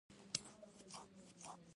نور په دې اړه بحث نه شي